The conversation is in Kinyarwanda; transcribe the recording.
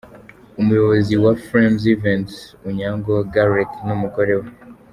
Umuyobozi wa wa Flames Events, Onyango Gareth n'umugore we.